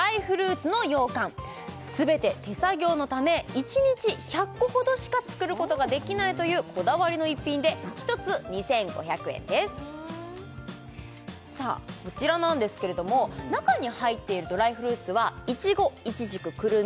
すべて手作業のため１日１００個ほどしか作ることができないというこだわりの逸品で１つ２５００円ですさあこちらなんですけれども中に入っているドライフルーツはいちごいちじくくるみ